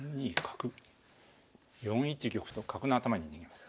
４一玉と角の頭に逃げます。